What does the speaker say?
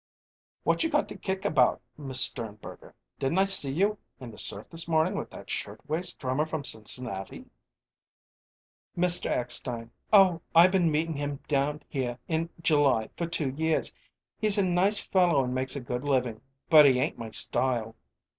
"What you got to kick about, Miss Sternberger? Didn't I see you in the surf this morning with that shirtwaist drummer from Cincinnati?" "Mr. Eckstein oh, I been meetin' him down here in July for two years. He's a nice fellow an' makes a good livin' but he ain't my style."